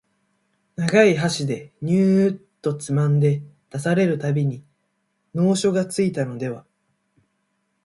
長い箸でニューッとつまんで出される度に能書がついたのでは、